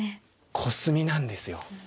コスミなんですよ。